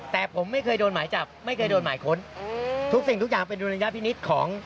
แต่ผมไม่เคยโดนหมายจับไม่เคยโดนหมายค้นทุกสิ่งทุกอย่างเป็นดุลยพินิษฐ์ของ